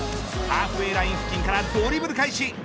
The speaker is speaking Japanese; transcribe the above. ハーフウェーライン付近からドリブル開始。